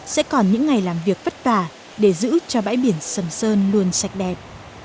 sẽ còn những ngày làm việc vất vả để giữ cho bãi biển sầm sơn luôn sạch đẹp